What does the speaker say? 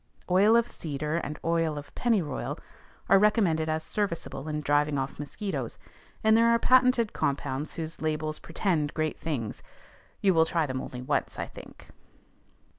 Oil of cedar and oil of pennyroyal are recommended as serviceable in driving off mosquitoes, and there are patented compounds whose labels pretend great things: you will try them only once, I think.